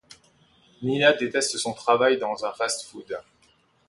Nina déteste son travail dans un fast-food.